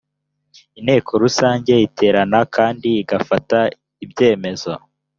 inteko rusange iterana kandi igafata ibyemezo